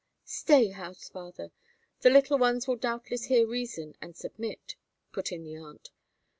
"Stay, house father, the little one will doubtless hear reason and submit," put in the aunt.